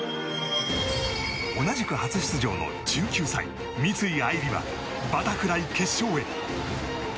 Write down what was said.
同じく初出場の１９歳三井愛梨はバタフライ決勝へ。